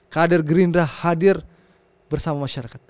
kader gerindra hadir bersama masyarakat